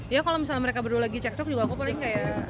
ya kalau misalnya mereka berdua lagi cekcok juga aku paling kayak